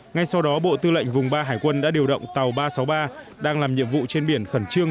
ngay sau đó bộ tư lệnh vùng ba hải quân đã điều động tàu ba trăm sáu mươi ba đang làm nhiệm vụ trên biển khẩn trương